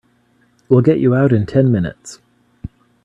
We'll get you out in ten minutes.